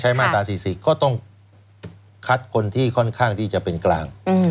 มาตรา๔๔ก็ต้องคัดคนที่ค่อนข้างที่จะเป็นกลาง